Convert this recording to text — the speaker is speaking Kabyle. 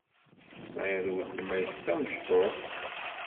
Tesɛiḍ weltma-k tamecṭuḥt?